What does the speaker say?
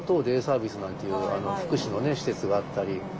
デイサービスなんていう福祉の施設があったり。